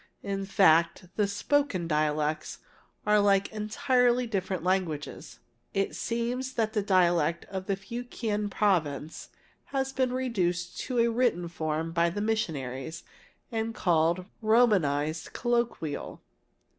In fact, the spoken dialects are like entirely different languages. It seems that the dialect of the Fu kien province has been reduced to a written form by the missionaries and called Romanized Colloquial.